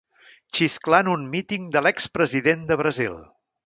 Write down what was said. Xisclar en un míting de l'expresident de Brasil.